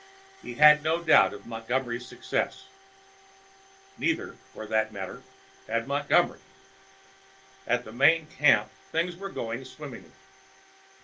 He had no doubt of Montgomery's success. Neither, for that matter, had Montgomery. At the main camp, things were going swimmingly.